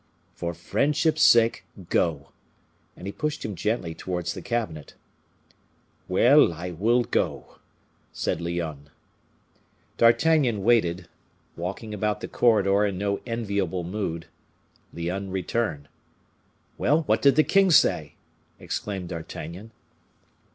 "For friendship's sake, go!" and he pushed him gently towards the cabinet. "Well, I will go," said Lyonne. D'Artagnan waited, walking about the corridor in no enviable mood. Lyonne returned. "Well, what did the king say?" exclaimed D'Artagnan.